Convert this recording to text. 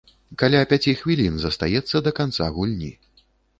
Каля пяці хвілін застаецца да канца гульні.